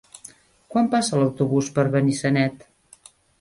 Quan passa l'autobús per Benissanet?